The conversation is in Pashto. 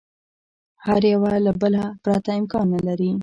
هر یوه له بله پرته امکان نه لري.